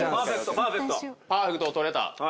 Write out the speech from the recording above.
パーフェクトを取れた？